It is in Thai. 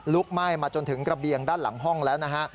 ไหม้มาจนถึงกระเบียงด้านหลังห้องแล้วนะฮะ